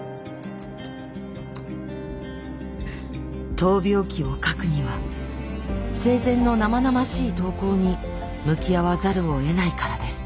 闘病記を書くには生前の生々しい投稿に向き合わざるをえないからです。